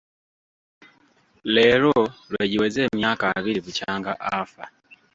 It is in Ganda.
Leero lwe giweze emyaka abiri bukyanga afa.